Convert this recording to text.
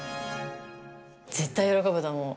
絶対、喜ぶと思う。